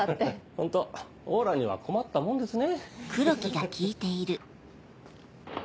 ホント王羅には困ったもんですね。